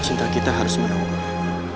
cinta kita harus menunggunya